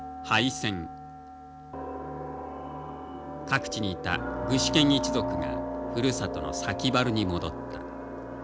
各地にいた具志堅一族がふるさとの崎原に戻った。